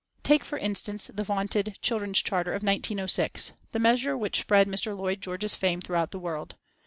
Take for instance the vaunted "Children's Charter" of 1906, the measure which spread Mr. Lloyd George's fame throughout the world.